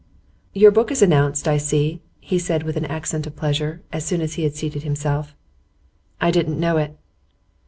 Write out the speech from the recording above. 'Your book is announced, I see,' he said with an accent of pleasure, as soon as he had seated himself. 'I didn't know it.